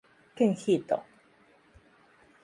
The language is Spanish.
Kenji Ito